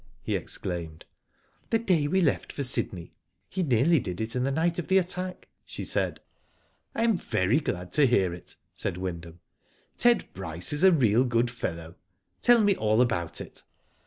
" he exclaimed. "The day we left for Sydney. He nearly did it the night of the attack," she said. *' I am very glad to hear it," said Wyndham. "Ted Bryce is a real good fellow. Tell me all about it."